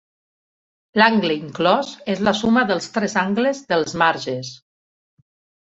L'angle inclòs és la suma dels tres angles dels marges.